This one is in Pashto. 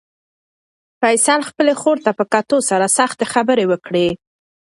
فیصل خپلې خور ته په کتو سره سختې خبرې وکړې.